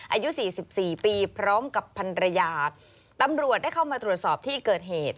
อายุสี่สิบสี่ปีพร้อมกับพันรยาตำรวจได้เข้ามาตรวจสอบที่เกิดเหตุ